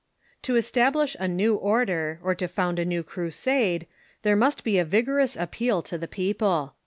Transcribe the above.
To establish a new order, or to found a new crusade, there must be a vigorous appeal to the people.